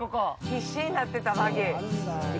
必死になってた、バギー。